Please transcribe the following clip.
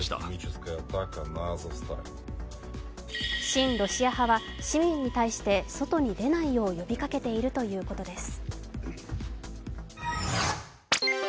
親ロシア派は市民に対して外に出ないよう呼びかけているということです。